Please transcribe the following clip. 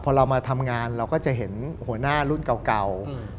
พอเรามาทำงานเราก็จะเห็นหัวหน้ารุ่นเก่า